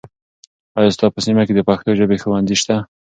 آیا ستا په سیمه کې د پښتو ژبې ښوونځي شته؟